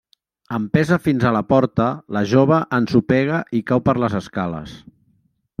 Empesa fins a la porta, la jove ensopega i cau per les escales.